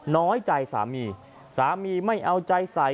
น้อยใจสามีสามีไม่เอาใจใส่